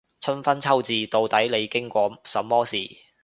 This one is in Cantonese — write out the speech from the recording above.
春分秋至，到底你經過什麼事